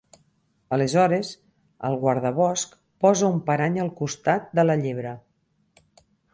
Aleshores, el guardabosc posa un parany al costat de la llebre.